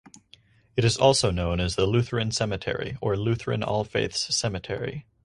It is also known as the Lutheran Cemetery or Lutheran All Faiths Cemetery.